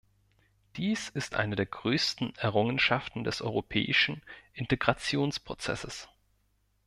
Dies ist eine der größten Errungenschaften des europäischen Integrationsprozesses.